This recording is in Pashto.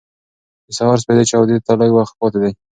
د سهار سپېدې چاودېدو ته لږ وخت پاتې دی.